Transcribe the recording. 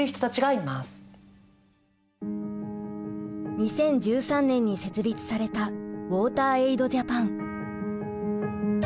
２０１３年に設立されたウォーターエイドジャパン。